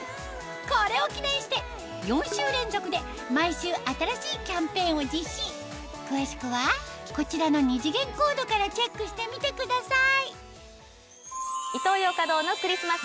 これを記念して４週連続で毎週新しいキャンペーンを実施詳しくはこちらの２次元コードからチェックしてみてください